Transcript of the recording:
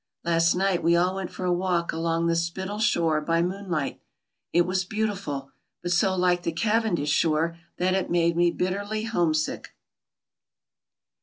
Last night we all went for a walk along the Spittal shore by moonlight. It was beautiful but so like the Cavendish shore that it made me bitterly homesick.